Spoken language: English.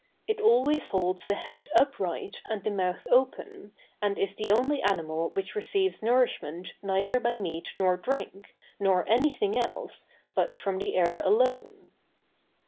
It always holds the head upright and the mouth open, and is the only animal which receives nourishment neither by meat nor drink, nor anything else, but from the air alone.